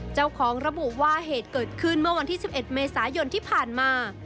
เจ้าของระบุว่าเหตุเกิดขึ้นเมื่อวันที่๑๑เมษายนที่ผ่านมา